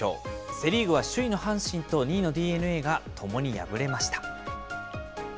セ・リーグは首位の阪神と２位のＤｅＮＡがともに敗れました。